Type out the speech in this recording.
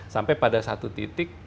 sampai pada satu titik